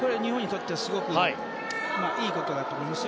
日本にとってはすごくいいことだと思います。